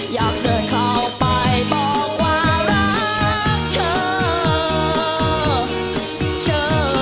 อยากเดินเข้าไปบอกว่ารักเธอ